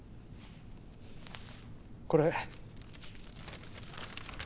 これ。